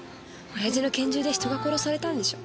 親父の拳銃で人が殺されたんでしょ？